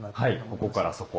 ここからそこ。